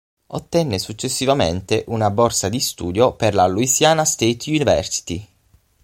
Ottenne successivamente una borsa di studio per la Louisiana State University.